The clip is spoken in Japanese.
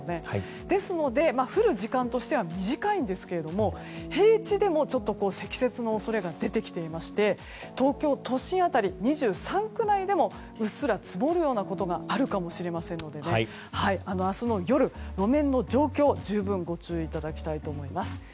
ですので、降る時間としては短いんですけれども平地でも積雪の恐れが出てきていまして東京都心辺り、２３区内でもうっすら積もるようなことがあるかもしれませんので明日の夜、路面の状況、十分ご注意いただきたいと思います。